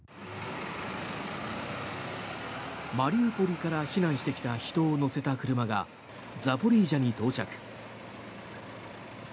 マリウポリから避難してきた人を乗せた車がザポリージャに到着。